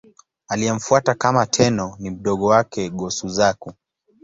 Aliyemfuata kama Tenno ni mdogo wake, Go-Suzaku.